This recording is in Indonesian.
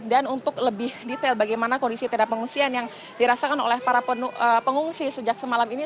dan untuk lebih detail bagaimana kondisi tenda pengungsian yang dirasakan oleh para pengungsi sejak semalam ini